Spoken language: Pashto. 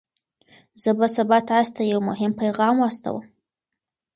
زه به سبا تاسي ته یو مهم پیغام واستوم.